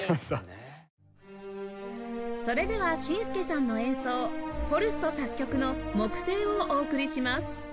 それでは ＳＩＮＳＫＥ さんの演奏ホルスト作曲の『木星』をお送りします